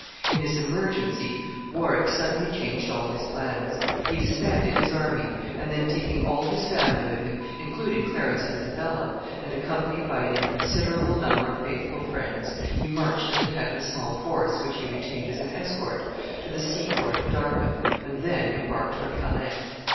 In this emergency, Warwick suddenly changed all his plans. He disbanded his army, and then taking all his family with him, including Clarence and Isabella, and accompanied by an inconsiderable number of faithful friends, he marched at the head of a small force which he retained as an escort to the sea port of Dartmouth, and then embarked for Calais.